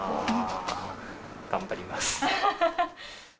頑張ります。